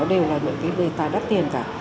để tài đắt tiền cả